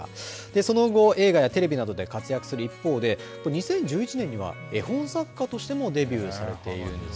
その後、映画やテレビなどで活躍する一方で、２０１１年には絵本作家としてもデビューなさっているんです。